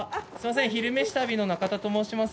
「昼めし旅」の中田と申します。